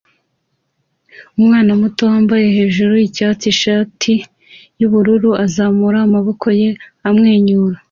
Umwana muto wambaye hejuru yicyatsi nishati yubururu azamura amaboko ye amwenyura